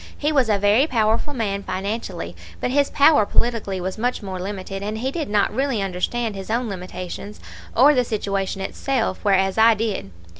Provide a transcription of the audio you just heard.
He was a very powerful man financially, but his power politically was much more limited, and he did not really understand his own limitations or the situation itself, whereas I did.